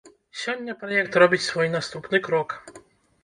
Сёння праект робіць свой наступны крок.